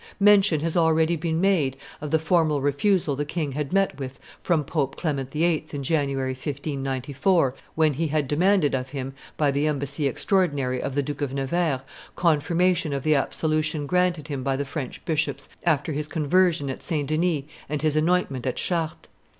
Mention has already been made of the formal refusal the king had met with from Pope Clement VIII. in January, 1594, when he had demanded of him, by the embassy extraordinary of the Duke of Nevers, confirmation of the absolution granted him by the French bishops after his conversation at St. Denis and his anointment at Chartres.